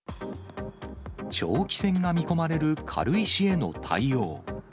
長期戦が見込まれる軽石への対応。